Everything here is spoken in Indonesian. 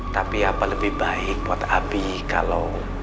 tapi apa lebih baik buat api kalau